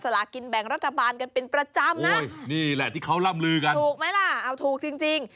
ลากินแบ่งรัฐบาลกันเป็นประจำนะนี่แหละที่เขาร่ำลือกันถูกไหมล่ะเอาถูกจริงจริง